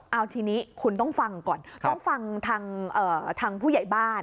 เอาทีนี้คุณต้องฟังก่อนต้องฟังทางผู้ใหญ่บ้าน